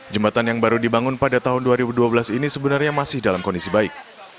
jembatan yang baru dibangun pada tahun dua ribu dua belas ini sebenarnya masih dalam kondisi baik